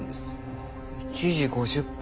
１時５０分。